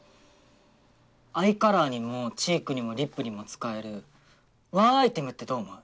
アイカラーにもチークにもリップにも使えるワンアイテムってどう思う？